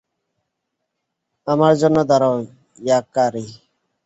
আমার জন্য দাঁড়াও, ইয়াকারি!